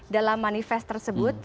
dalam manifest tersebut